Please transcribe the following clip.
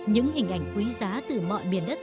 những hình ảnh quý giá từ mọi miền đất